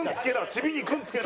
「チビ」に「くん」付けろ！